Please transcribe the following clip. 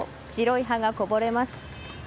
白い歯がこぼれます。